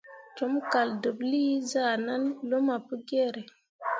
Com kaldeɓlii zah nan luma Pugiere.